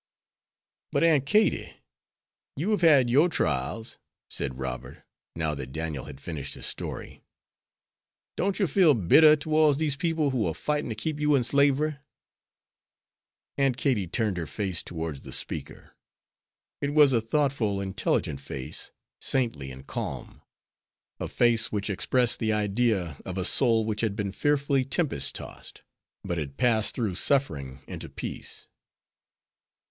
"But, Aunt Katie, you have had your trials," said Robert, now that Daniel had finished his story; "don't you feel bitter towards these people who are fighting to keep you in slavery?" Aunt Katie turned her face towards the speaker. It was a thoughtful, intelligent face, saintly and calm. A face which expressed the idea of a soul which had been fearfully tempest tossed, but had passed through suffering into peace.